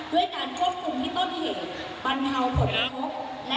ด้วยการควบคุมที่ต้นเหตุ